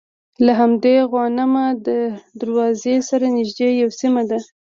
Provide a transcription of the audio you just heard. له همدې غوانمه دروازې سره نژدې یوه سیمه ده.